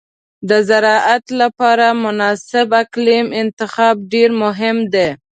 د زراعت لپاره مناسب اقلیم انتخاب ډېر مهم دی.